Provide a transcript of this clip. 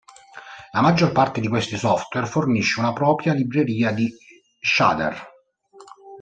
La maggior parte di questi software fornisce una propria libreria di shader.